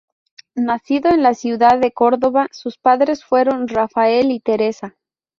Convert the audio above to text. Nacido en la ciudad de Córdoba, sus padres fueron Rafael y Teresa.